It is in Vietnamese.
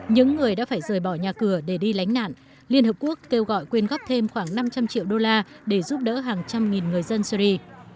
những người đã phải rời bỏ nhà cửa để đi lánh nạn liên hợp quốc kêu gọi quyên góp thêm khoảng năm trăm linh triệu đô la để giúp đỡ hàng trăm nghìn người dân syri